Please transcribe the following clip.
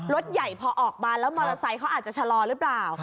รถใหญ่พอออกมาแล้วมอเตอร์ไซค์เขาอาจจะชะลอหรือเปล่า